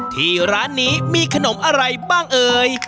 ที่ร้านนี้มีขนมอะไรบ้างเอ่ย